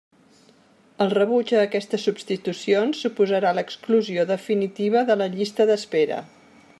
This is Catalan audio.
El rebuig a aquestes substitucions suposarà l'exclusió definitiva de la llista d'espera.